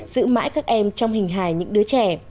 giữ mãi các em trong hình hài những đứa trẻ